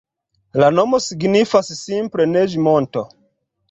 La nomo signifas simple Neĝ-monto.